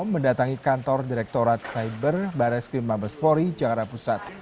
mendatangi kantor direktorat siber barreskrim mabespori jawa pusat